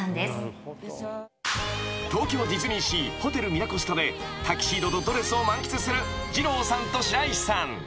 ［東京ディズニーシー・ホテルミラコスタでタキシードとドレスを満喫する二朗さんと白石さん］